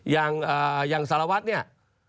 อย่างสารวัตรเนี่ย